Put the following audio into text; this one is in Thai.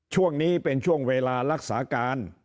ช่วงนี้เป็นช่วงเวลารักษาการ